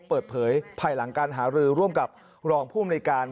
เปิดเผยภายหลังการหารือร่วมกับรองผู้อำนวยการ